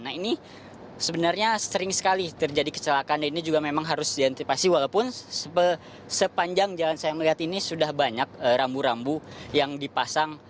nah ini sebenarnya sering sekali terjadi kecelakaan dan ini juga memang harus diantisipasi walaupun sepanjang jalan saya melihat ini sudah banyak rambu rambu yang dipasang